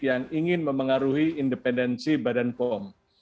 yang ingin memengaruhi independensi badan pom